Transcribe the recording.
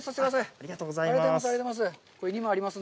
ありがとうございます。